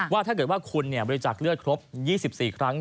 ว่าถ้าเกิดว่าคุณบริจาคเลือดครบ๒๔ครั้ง